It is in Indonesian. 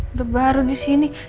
udah baru di sini